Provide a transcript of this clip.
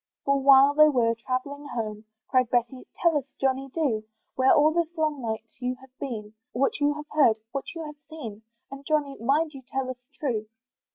For while they all were travelling home, Cried Betty, "Tell us Johnny, do, "Where all this long night you have been, "What you have heard, what you have seen, "And Johnny, mind you tell us true."